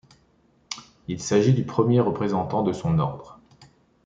Il s'agit du premier représentant de son ordre.